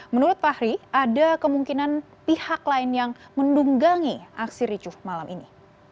menurut fahri ada kemungkinan pihak lain yang mendunggangi aksi ricuh malam ini